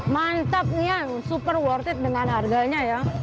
mantap ini ya super worth it dengan harganya ya